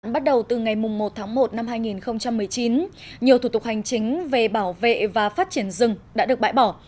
bắt đầu từ ngày một tháng một năm hai nghìn một mươi chín nhiều thủ tục hành chính về bảo vệ và phát triển rừng đã được bãi bỏ